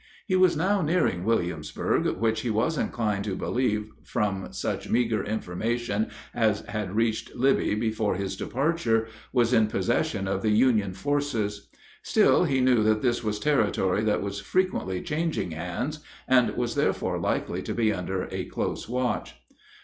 He was now nearing Williamsburg, which, he was inclined to believe from such meager information as had reached Libby before his departure, was in possession of the Union forces. Still, he knew that this was territory that was frequently changing hands, and was therefore likely to be under a close watch.